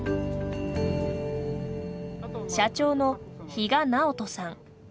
社長の比嘉直人さん。